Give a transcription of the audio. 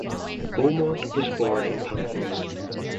Beaumont was born in Pamplona.